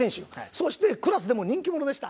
そしてクラスでも人気者でした。